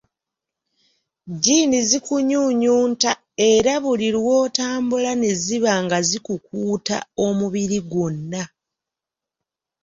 Jjiini zikunyunyunta era buli lw’otambula ne ziba nga zikukuuta omubiri gwonna.